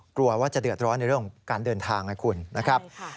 กลัวว่าจะเดือดร้อนในเรื่องของการเดินทางไงคุณนะครับ